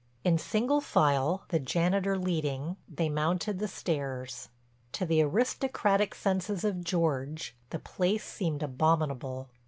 In single file, the janitor leading, they mounted the stairs. To the aristocratic senses of George the place seemed abominable.